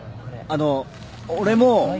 あの俺も。